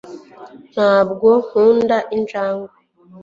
ntabwo ukunda injangwe